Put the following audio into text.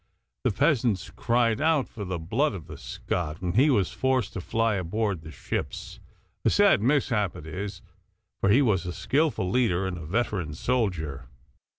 The peasants cried out for the blood of the Scot, and he was forced to fly aboard the ships. A sad mishap it is, for he was a skilful leader and a veteran soldier.